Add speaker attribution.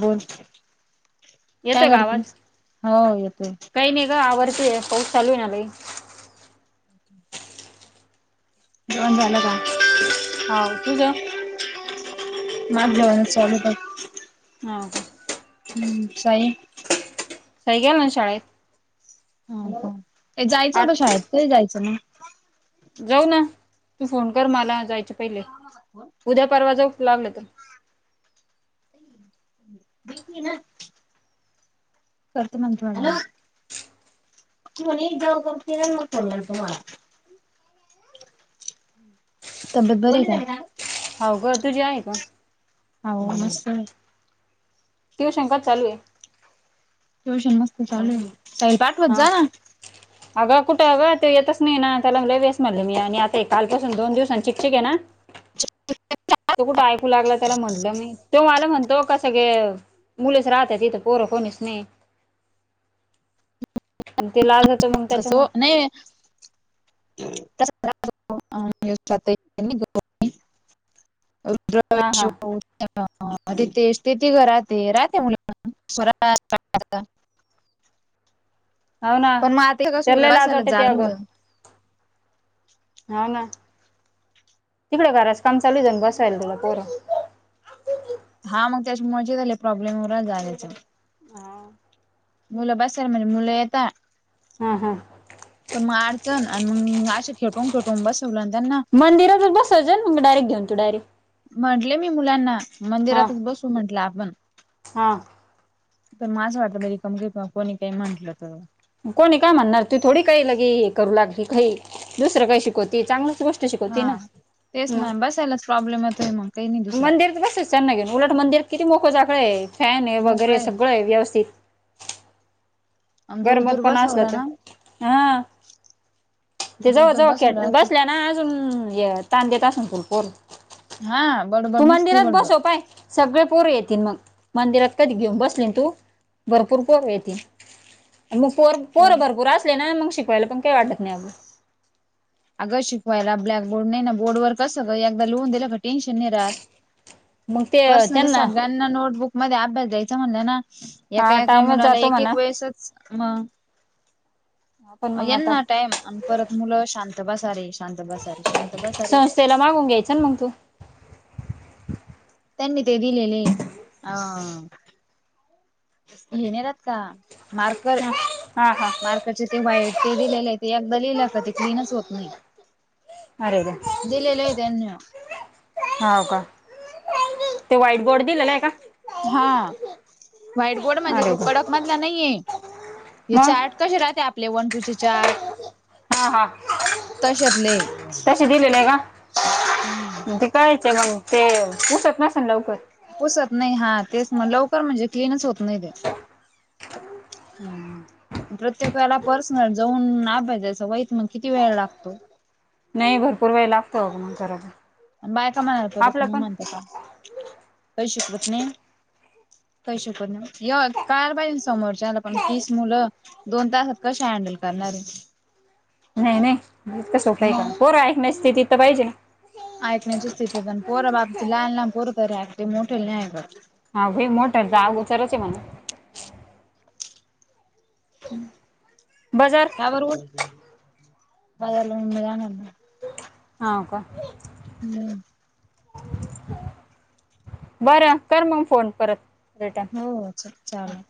Speaker 1: बोल. काय
Speaker 2: येतोय का आवाज,
Speaker 1: करतेस? हो येतोय.
Speaker 2: काही नाही ग आववरतीये पाऊस चालू हाय ना लई.
Speaker 1: [inaudible] जेवण झालं का?
Speaker 2: हा तुझ?
Speaker 1: माझ जेवणच चालू पाई.
Speaker 2: हा.
Speaker 1: हम्म साई
Speaker 2: साई गेला ना शाळेत.
Speaker 1: हा प, ये जायचं
Speaker 2: आठ
Speaker 1: होतं शाळेत कधी जायचं म?
Speaker 2: जाऊ ना, तू फोन कर मला जायचे पहिले, उद्या परवा जाऊ लागलं तर.
Speaker 1: [inaudible] ऐकी ना. करतो नंतर आणि हॅलो. म ने एक जाऊ बघत्या म करणार तुम्हाला? तबेत बरी हाय का?
Speaker 2: हो गं तुझी आहे ग.
Speaker 1: हवं मस्त हाय.
Speaker 2: ट्युशन कधी चालू आहे?
Speaker 1: ट्युशन मस्त चालू आहे, साईला पाठवत
Speaker 2: हा
Speaker 1: जा ना.
Speaker 2: अगं कुठं गं ते येतच नाही ना त्याला वेस म्हणले मी आणि आता कालपासून दोन दिवसां चिकचिक आहे ना.
Speaker 1: [unintelligible]
Speaker 2: तो कुठं ऐकू लागला त्याला म्हटलं मी, तो मला म्हणतो का सगळे मुलीच राहत्या तिथं पोरं कोणीच नाही.
Speaker 1: [unintelligible]
Speaker 2: ते लाजत मग
Speaker 1: तसं ओ
Speaker 2: त्याच्यामुळं
Speaker 1: नाही [unintelligible] [unintelligible]
Speaker 2: हा हा
Speaker 1: [unintelligible] ते तेच ते ति ग राहते राहते मुला [unintelligible] आ
Speaker 2: हाव ना तेना लय लाज वाटते
Speaker 1: नाही
Speaker 2: अगं
Speaker 1: होत.
Speaker 2: हाव ना तिकडे घराचं काम चालू जाऊन बसायल तिकडं पोरं
Speaker 1: हा मग त्याच्यामुळेच झाले प्रॉब्लेम वग जायचं
Speaker 2: हा
Speaker 1: मुलं बसायला म्हणजे मुलं येता
Speaker 2: हा, हा
Speaker 1: पण मग अडचण आणि मग असे खेटून, खेटून बसवलं आणि त्यांना
Speaker 2: मंदिरातच बसायचं मग डायरेक्ट घेऊन तु डायरेक्ट
Speaker 1: म्हंटले मी मुलांना
Speaker 2: हा
Speaker 1: मंदिरातच बसू म्हटलं आपण
Speaker 2: हा
Speaker 1: तर म असं वाटलं कमकत कोणी काही म्हटलं तर
Speaker 2: कोणी काय म्हणणार तू थोडी काही लगे करू लागली काही दुसरं काही शिकवते चांगलच गोष्ट शिकवती
Speaker 1: हा
Speaker 2: ना
Speaker 1: तेच ना
Speaker 2: मग
Speaker 1: बसायलाच प्रॉब्लेम येतोय मग काही नाही दुसरं
Speaker 2: मंदिरात बसायचं त्यांना घेऊन उलट मंदिर किती मोकळं जागा आहे फॅन आहे वगैरे सगळं आहे व्यवस्थित
Speaker 1: आणि दूर
Speaker 2: गरमत
Speaker 1: दूर
Speaker 2: पण असल
Speaker 1: बसवला
Speaker 2: तर
Speaker 1: ना
Speaker 2: हा ते
Speaker 1: दूर
Speaker 2: जवळ,
Speaker 1: दूर
Speaker 2: जवळ खेट
Speaker 1: बसवला
Speaker 2: बसल्या ना अजून तान देत असून पोरं
Speaker 1: हा
Speaker 2: तू
Speaker 1: बडबड नुसती
Speaker 2: मंदिरात बसव
Speaker 1: बडबड
Speaker 2: पाय सगळे पोरं येतील मग मंदिरात कधी घेऊन बसलीन तू भरपूर पोरं येतील मग पोरं भरपूर असले ना मग शिकवायला पण काही वाटत नाही अगं
Speaker 1: अगं शिकवायला ब्लॅकबोर्ड नाही ना बोर्डवर कसं एकदा लिहून दिलं का टेन्शन नाही राहत
Speaker 2: मग ते
Speaker 1: पर्सनली सगळ्या त्यांना नोटबुक मध्ये अभ्यास द्यायचा म्हणलं ना
Speaker 2: हा
Speaker 1: एका एका
Speaker 2: टाइमच
Speaker 1: मुलाला
Speaker 2: जातो
Speaker 1: एक,
Speaker 2: म्हणा
Speaker 1: एक वेळेसच म
Speaker 2: आपण मग आता
Speaker 1: यांना टाइम आणि परत मुलं शांत बसा रे, शांत बसा रे शांत बसा रे
Speaker 2: संस्थेला मागून घ्यायचं ना मग तू
Speaker 1: त्यांनी ते दिलेले आ हे नाहीे राहत का मार्कर
Speaker 2: हा हा, हा
Speaker 1: [unintelligible] व्हाईट ते दिलेले आहे ते एकदा लिहिलं ते क्लीनच होत नाही
Speaker 2: अरे वा
Speaker 1: दिलेलं आहे त्यांनी
Speaker 2: हाव का ते व्हाईट बोर्ड दिलेला आहे का
Speaker 1: हा व्हाईट बोर्ड म्हणजे
Speaker 2: अरे
Speaker 1: तो
Speaker 2: रे
Speaker 1: कडक मधला नाहीये हे
Speaker 2: मग
Speaker 1: चार्ट कसे राहते आपले वन टू चे चार्ट
Speaker 2: हा, हा
Speaker 1: तशातले
Speaker 2: तसे दिलेले का कायचे मग ते पुसत नसे ना लवकर
Speaker 1: पुसत नाही हा तेच म लवकर म्हणजे क्लीनच होत नाही ते
Speaker 2: ह
Speaker 1: प्रत्येक वेळेला पर्सनल जाऊन अभ्यास द्यायचा वईत मग किती वेळ लागतो
Speaker 2: नाही भरपूर वेळ लागतो अगं मंग करायला.
Speaker 1: बायका म्हणा परत
Speaker 2: आपला
Speaker 1: मग
Speaker 2: पण
Speaker 1: म्हणते का? कही शिकवत नाही काही शिकवत नाही य कार [unintelligible] समोर च्या ला पण तीस मुलं दोन तासा कशी हँडल करणार आहे.
Speaker 2: नाही नाही इतका सोप्पं आहे का
Speaker 1: मग
Speaker 2: पोरं आहेत नाही स्थितीत तर पाहिजे न.
Speaker 1: ऐकण्याची स्थिती पण पोरं बाब लहान लहान पोरं तर ऐकते मोठे नाही ऐकत.
Speaker 2: हा भई मोठं जाग उचरच आहे म्हण. हम्म बाजार
Speaker 1: त्या वरून [unintelligible] जाणार ना.
Speaker 2: हाव का?
Speaker 1: हम्म.
Speaker 2: बरं आहे कर मग फोन परत रिटर्न.
Speaker 1: हो
Speaker 2: हा
Speaker 1: चाल चालेल.